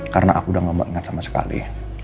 karena aku udah gak mau ingat sama sekali